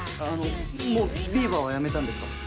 あのもうビーバーは辞めたんですか？